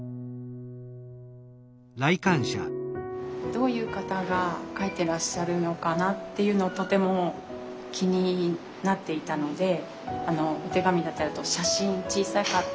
どういう方が描いてらっしゃるのかなっていうのはとても気になっていたのでお手紙だったり写真小さかっ